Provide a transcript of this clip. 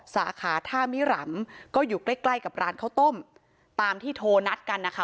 สาขาท่ามิรำก็อยู่ใกล้ใกล้กับร้านข้าวต้มตามที่โทรนัดกันนะคะ